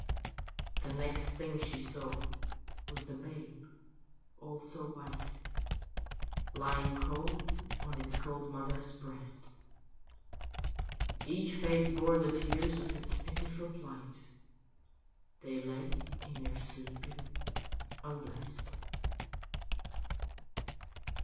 The next thing she saw was the babe, all so white, Lying cold on its cold mother's breast. Each face bore the tears of its pitiful plight — They lay in their sleeping unblest.